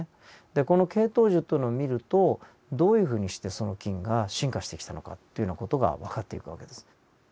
でこの系統樹というのを見るとどういうふうにしてその菌が進化してきたのかというような事がわかっていく訳です。